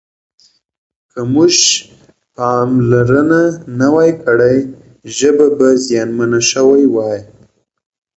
که موږ پاملرنه نه وای کړې ژبه به زیانمنه شوې وای.